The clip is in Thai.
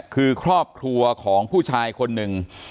คือครอบครัวของผู้ชายคนหนึ่ง